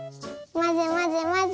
まぜまぜまぜ。